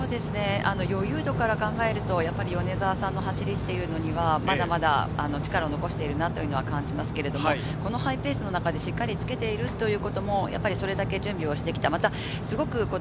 余裕度から考えると米澤さんの走りはまだまだ力を残しているなと感じますけれども、このハイペースの中、しっかりつけているということもそれだけ準備をしてきた。